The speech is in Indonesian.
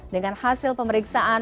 dengan hasil pemerintahan